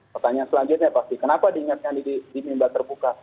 pertanyaan selanjutnya pasti kenapa diingatkan di mimba terbuka